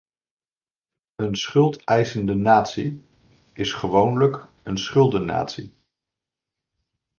Een schuldeisende natie is gewoonlijk een schuldennatie.